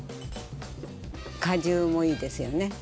果汁もいいですよね。